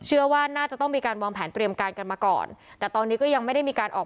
เชื่อว่าน่าจะต้องมีการวางแผนเตรียมการกันมาก่อนแต่ตอนนี้ก็ยังไม่ได้มีการออก